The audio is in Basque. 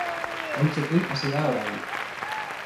Ahuntzekin hasi da orain.